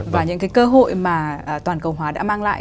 và những cái cơ hội mà toàn cầu hóa đã mang lại